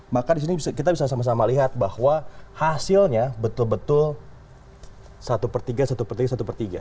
maka di sini kita bisa sama sama lihat bahwa hasilnya betul betul satu per tiga satu per tiga satu per tiga